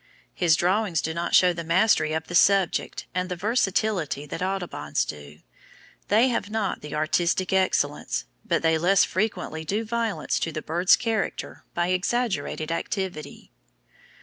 His drawings do not show the mastery of the subject and the versatility that Audubon's do; they have not the artistic excellence, but they less frequently do violence to the bird's character by exaggerated activity.